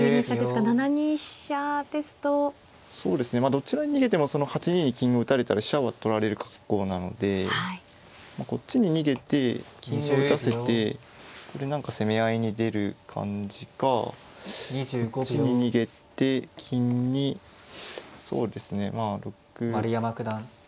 どちらに逃げても８二に金を打たれたら飛車を取られる格好なのでこっちに逃げて金を打たせてこれ何か攻め合いに出る感じかこっちに逃げて金にそうですねまあ６